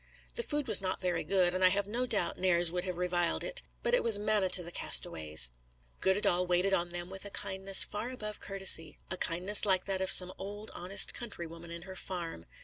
The food was not very good, and I have no doubt Nares would have reviled it, but it was manna to the castaways. Goddedaal waited on them with a kindness far before courtesy, a kindness like that of some old, honest countrywoman in her farm.